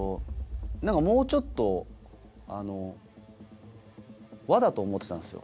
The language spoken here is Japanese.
何かもうちょっと和だと思ってたんですよ。